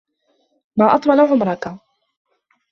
مَا أَطْوَلَ عُمُرَك